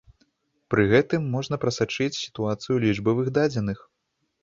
Пры гэтым можна прасачыць сітуацыю ў лічбавых дадзеных.